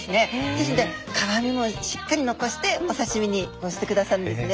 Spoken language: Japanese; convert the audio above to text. ですので皮身もしっかり残してお刺身にしてくださってるんですね。